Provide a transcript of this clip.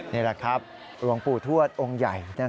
นี่แหละครับหลวงปู่ทวดองค์ใหญ่